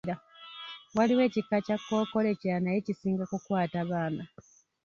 Waliwo ekika kya kkookolo ekirala naye kisinga kukwata baana.